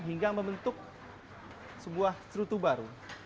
hingga membentuk sebuah cerutu baru